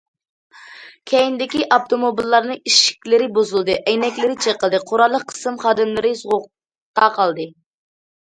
كەينىدىكى ئاپتوموبىللارنىڭ ئىشىكلىرى بۇزۇلدى، ئەينەكلىرى چېقىلدى، قوراللىق قىسىم خادىملىرى سوغۇقتا قالدى.